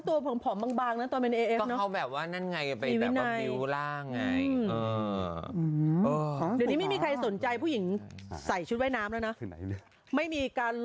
ตรงนั้นอะไรคุณหนุ่มส้นส้มตำ